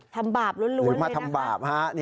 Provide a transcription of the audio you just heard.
ทำบาปล้วนเลยนะคะหรือมาทำบาป